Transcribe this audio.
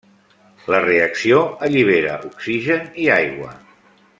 La reacció allibera oxigen i aigua.